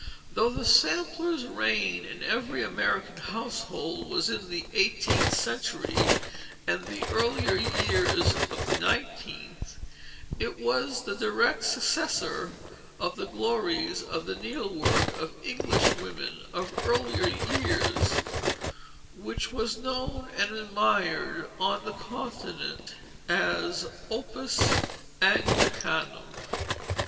Though the sampler's reign in every American household was in the eighteenth century and the earlier years of the nineteenth, it was the direct successor of the glories of needlework of English women of earlier years, which was known and admired on the Continent as Opus Anglicanum.